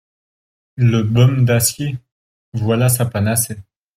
Le baume d'acier ! voilà sa panacée.